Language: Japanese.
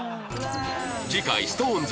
次回 ＳｉｘＴＯＮＥＳ